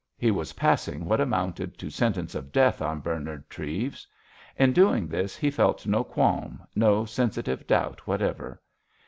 He was passing what amounted to sentence of death on Bernard Treves. In doing this he felt no qualm, no sensitive doubt whatever.